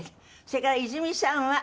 それから泉さんは。